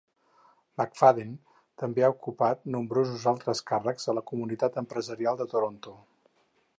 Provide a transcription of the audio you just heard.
McFadden també ha ocupat nombrosos altres càrrecs a la comunitat empresarial de Toronto.